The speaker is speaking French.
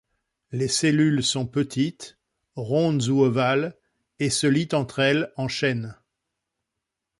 Les cellules sont petites, rondes ou ovales et se lient entre elles en chaînes.